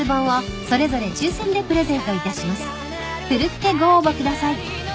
［奮ってご応募ください］